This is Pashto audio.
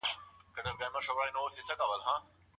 ما ویلي وه چي ته نه سړی کېږې